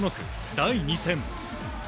第２戦。